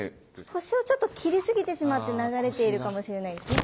腰をちょっときりすぎてしまって流れているかもしれないですね。